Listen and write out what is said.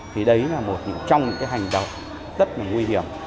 thì đấy là một trong những hành động rất nguy hiểm